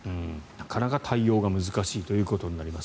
なかなか対応が難しいということになります。